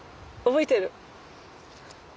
覚えてる？